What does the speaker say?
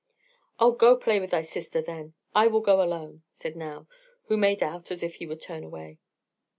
"Oh, go play with thy sister, then, I will go alone," said Nao, who made out as if he would turn away.